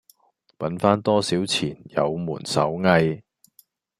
搵番多少錢有門手藝